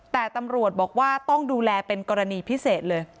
แต่ตำรวจบอกว่าต้องดูแลเป็นกรณีพิเศษเลย